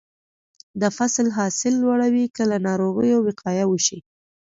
د فصل حاصل لوړوي که له ناروغیو وقایه وشي.